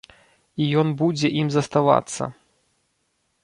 І ён будзе ім заставацца!